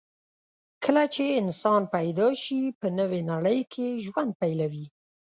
کله چې انسان پیدا شي، په نوې نړۍ کې ژوند پیلوي.